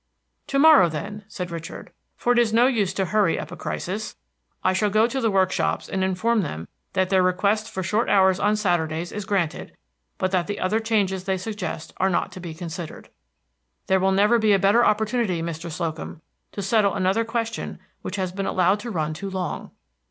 "To morrow, then," said Richard, "for it is no use to hurry up a crisis, I shall go to the workshops and inform them that their request for short hours on Saturdays is granted, but that the other changes they suggest are not to be considered. There will never be a better opportunity, Mr. Slocum, to settle another question which has been allowed to run too long."